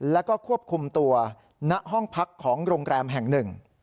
แล้วก็ควบคุมตัวณห้องพักของโรงแรมแห่งหนึ่ง